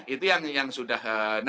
itu yang sudah